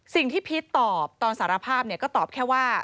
พีชตอบตอนสารภาพก็ตอบแค่ว่า